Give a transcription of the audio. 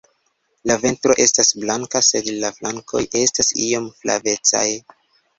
La ventro estas blanka sed la flankoj estas iom flavecaj.